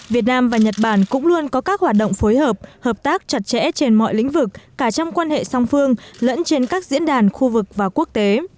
việt nam và nhật bản cũng luôn có các hoạt động phối hợp hợp tác chặt chẽ trên mọi lĩnh vực cả trong quan hệ song phương lẫn trên các diễn đàn khu vực và quốc tế